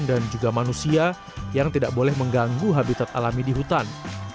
dan juga manusia yang tidak boleh mengganggu habitat alami di hutan